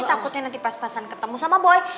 takutnya nanti pas pasan ketemu sama boy